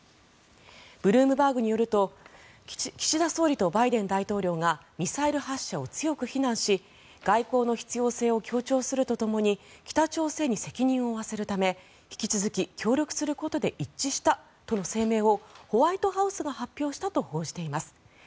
ブルームバーグによると岸田総理とバイデン大統領がミサイル発射を強く非難し外交の必要性を強調するとともに北朝鮮に責任を負わせるため引き続き協力することで一致したとの声明をホワイトハウスが発表したと報じています。